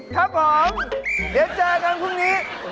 ครับผมเดี๋ยวเจอกันพรุ่งนี้